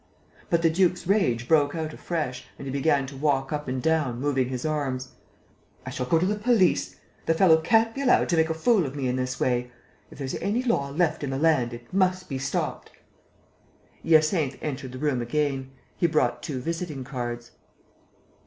But the duke's rage broke out afresh and he began to walk up and down, moving his arms: "I shall go to the police!... The fellow can't be allowed to make a fool of me in this way!... If there's any law left in the land, it must be stopped!" Hyacinthe entered the room again. He brought two visiting cards.